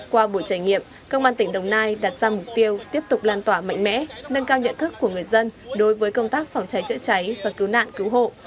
qua buổi trải nghiệm công an tỉnh đồng nai đặt ra mục tiêu tiếp tục lan tỏa mạnh mẽ nâng cao nhận thức của người dân đối với công tác phòng cháy chữa cháy và cứu nạn cứu hộ